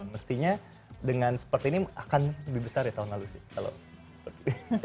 mestinya dengan seperti ini akan lebih besar ya tahun lalu sih